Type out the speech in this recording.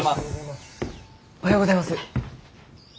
おはようございます。